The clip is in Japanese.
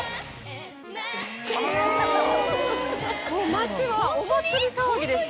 もう街はお祭り騒ぎでした。